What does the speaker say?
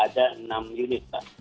ada enam unit pak